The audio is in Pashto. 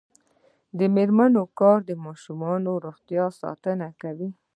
د میرمنو کار د ماشومانو روغتیا ساتنه کوي.